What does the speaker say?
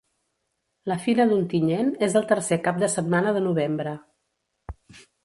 La fira d'Ontinyent és el tercer cap de setmana de novembre.